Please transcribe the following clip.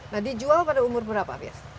nah dijual pada umur berapa biasanya